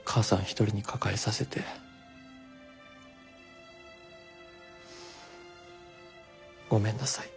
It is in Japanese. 一人に抱えさせてごめんなさい。